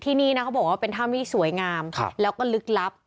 ที่นี่นะเขาบอกว่าเป็นถ้ำที่สวยงามแล้วก็ลึกลับ